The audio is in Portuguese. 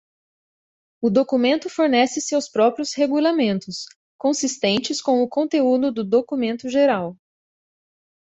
O documento fornece seus próprios regulamentos, consistentes com o conteúdo do documento geral.